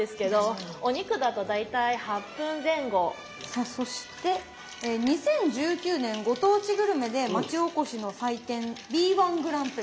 さあそして２０１９年ご当地グルメで町おこしの祭典Ｂ−１グランプリ。